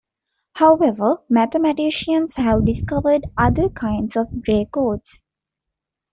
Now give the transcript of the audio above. However, mathematicians have discovered other kinds of Gray codes.